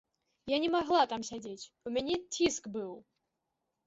Я не магла там сядзець, у мяне ціск быў!